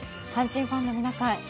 阪神ファンの皆さん